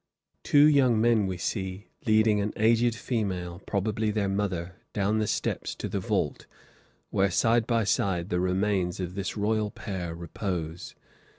Two young men we see, leading an aged female, probably their mother, down the steps to the vault, where, side by side, the remains of this royal pair repose.